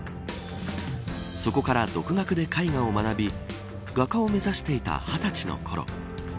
そこから独学で絵画を学び画家を目指していた２０歳のころ